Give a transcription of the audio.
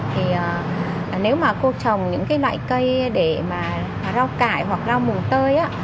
thì nếu mà cô trồng những loại cây để mà rau cải hoặc rau mù tơi